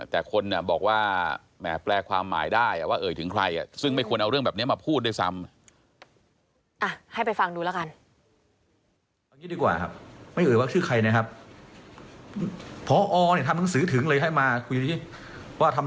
แต่คนบอกว่าแหมแปลความหมายได้ว่าเอ่ยถึงใครซึ่งไม่ควรเอาเรื่องแบบนี้มาพูดด้วยซ้ำ